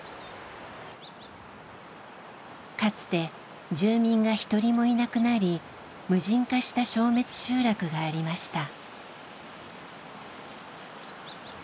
かつて住民が一人もいなくなり無人化した消滅集落がありました。